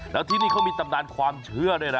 แล้วที่นี่เขามีตำนานความเชื่อด้วยนะ